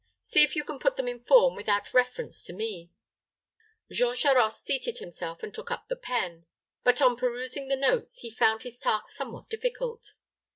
See if you can put them in form without reference to me." Jean Charost seated himself, and took up the pen; but, on perusing the notes, he found his task somewhat difficult.